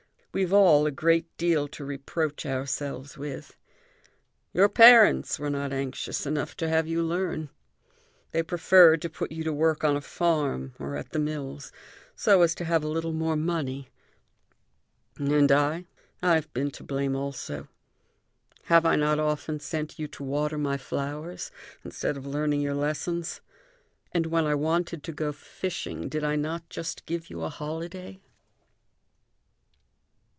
We've all a great deal to reproach ourselves with. "Your parents were not anxious enough to have you learn. They preferred to put you to work on a farm or at the mills, so as to have a little more money. And I? I've been to blame also. Have I not often sent you to water my flowers instead of learning your lessons? And when I wanted to go fishing, did I not just give you a holiday?"